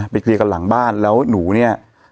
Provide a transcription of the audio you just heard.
เคลียร์กันหลังบ้านแล้วหนูเนี่ย